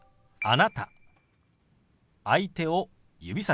「あなた」。